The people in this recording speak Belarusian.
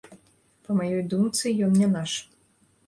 Па маёй думцы, ён не наш.